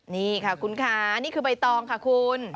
นี่ค่ะคุณค่ะนี่คือใบตองค่ะคุณ